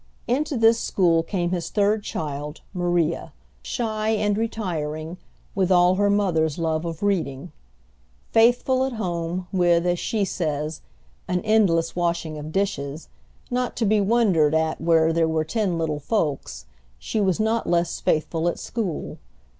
Into this school came his third child, Maria, shy and retiring, with all her mother's love of reading. Faithful at home, with, as she says, "an endless washing of dishes," not to be wondered at where there were ten little folks, she was not less faithful at school.